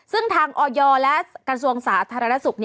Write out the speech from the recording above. ซึ่งทางอยและกันส่วนสาธารณสุข